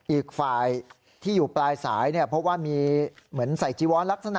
อีกฝ่ายที่อยู่ปลายสายเนี่ยเพราะว่ามีเหมือนใส่จีวอนลักษณะ